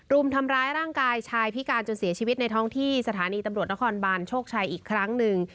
รุมทำร้ายร่างกายชายพิการจนเสียชีวิตในท้องที่สถานีตำรวจนครบานโชคชัยอีกครั้งหนึ่ง